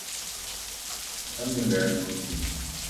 А там ён рэальна круты!